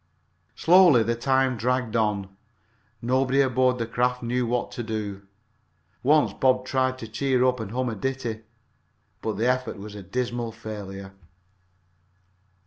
Slowly the time dragged on. Nobody aboard the craft knew what to do. Once Bob tried to cheer up and hum a ditty, but the effort was a dismal failure.